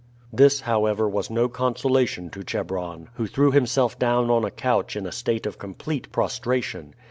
This, however, was no consolation to Chebron, who threw himself down on a couch in a state of complete prostration.